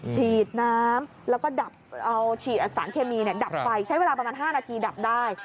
ฉีดน้ำแล้วก็ดับเอาฉีดสารเคมีดับไฟใช้เวลาประมาณ๕นาทีดับได้